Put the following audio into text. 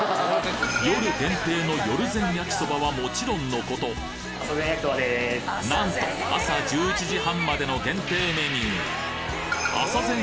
夜限定のよるぜん焼そばはもちろんのことなんと朝１１時半までの限定メニューあさぜん